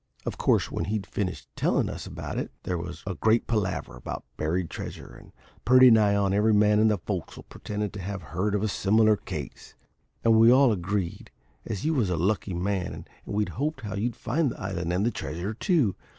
"Of course when he'd finished tellin' us about it there was a great palaver about buried treasure, and pretty nigh every man in the fo'c's'le pretended to have heard of a similar case; and we all agreed as you was a lucky man, and we hoped as how you'd find the island, and the treasure too.